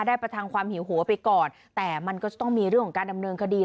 ประทังความหิวหัวไปก่อนแต่มันก็จะต้องมีเรื่องของการดำเนินคดี